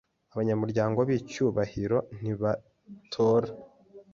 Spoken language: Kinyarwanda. Abanyamuryango b icyubahiro ntibatora